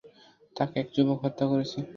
তাকে এক যুবক হত্যা করেছে।